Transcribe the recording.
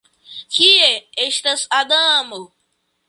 Kie estas Adamo?